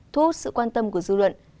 thu hút sự quan tâm của dư luận